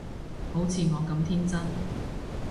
好似我咁天真